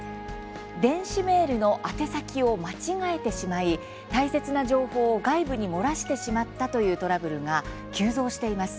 電子メールの宛先を間違えてしまい大切な情報を外部に漏らしてしまったというトラブルが急増しています。